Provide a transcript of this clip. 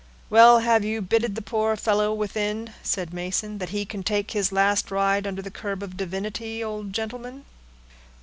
"Well, have you bitted the poor fellow within," said Mason, "that he can take his last ride under the curb of divinity, old gentleman?"